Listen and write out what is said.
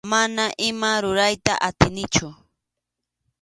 Mana ima rurayta atinichu.